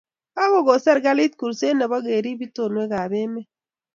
kakokon serikali kurset nebo keriib itonwekabemet